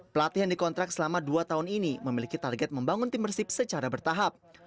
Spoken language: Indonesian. pelatih yang dikontrak selama dua tahun ini memiliki target membangun tim persib secara bertahap